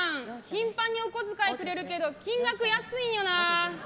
頻繁におこづかいくれるけど金額、安いんよな。